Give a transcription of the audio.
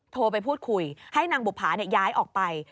โทรไปพูดคุยให้นางบุภาย้ายออกไป